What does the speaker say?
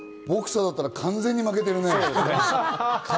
ボクサーだったら、完全に負けているね。